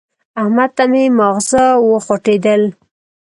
احمد ته مې ماغزه وخوټېدل.